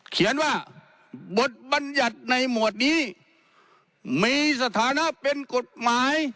เขียนว่าบทบัญญัติในหมวดนี้มีสถานะเป็นกฎหมาย